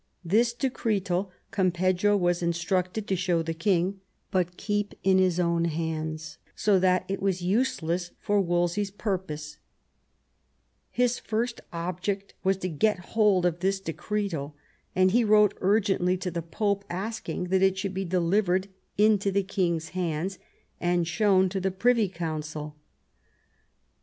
This decretal Campeggio was instructed to show the king, but keep in his own hands, so that it was useless for Wolsey's pur posa His first object was to get hold of this decretal, and he wrote urgently to the Pope asking that it should be delivered into the king's hands, and shown to the Privy Council.